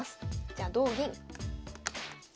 じゃ同銀。